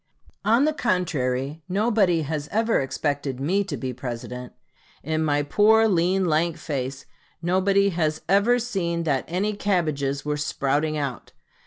On the contrary, nobody has ever expected me to be President. In my poor, lean, lank face, nobody has ever seen that any cabbages were sprouting out.